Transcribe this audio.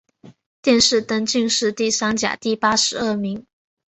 殿试登进士第三甲第八十二名。